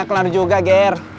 kelar juga ger